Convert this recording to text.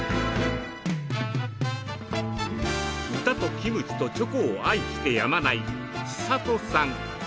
歌とキムチとチョコを愛してやまない知里さん。